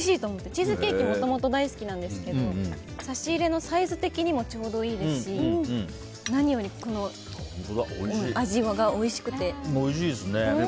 チーズケーキもともと大好きなんですけど差し入れのサイズ的にもちょうどいいですしおいしいですね。